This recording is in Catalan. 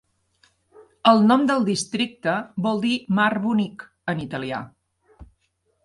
El nom del districte vol dir "mar bonic" en italià.